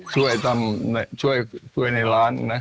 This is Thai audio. ช่วยทำช่วยในร้านนะ